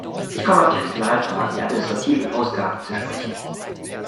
Ich komme auf die Personalfragen, die administrativen Ausgaben, zu sprechen.